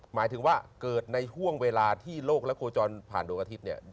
หมายถึงว่าเกิดในช่วงเวลาที่โลกและโคจรผ่านดวงอาทิตย์เนี่ย